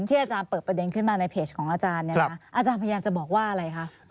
อาจารย์เปิดประเด็นขึ้นมาในเพจของอาจารย์เนี่ยนะอาจารย์พยายามจะบอกว่าอะไรคะ